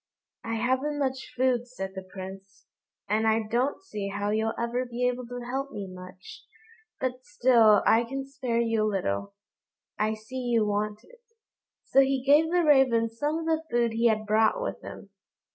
"I haven't much food," said the Prince, "and I don't see how you'll ever be able to help me much; but still I can spare you a little. I see you want it." So he gave the raven some of the food he had brought with him.